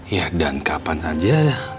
ya dan kapan saja